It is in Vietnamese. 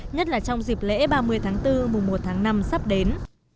nhất là trong dịp lễ ba mươi tháng bốn mùa một tháng năm sắp đến